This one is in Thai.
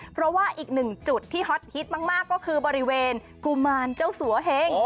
เพราะว่าอีกหนึ่งจุดที่ฮอตฮิตมากก็คือบริเวณกุมารเจ้าสัวเฮง